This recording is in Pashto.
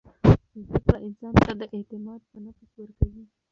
زده کړه انسان ته اعتماد په نفس ورکوي.